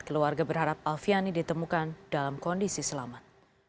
keluarga berharap alfiani ditemukan dalam kondisi selamat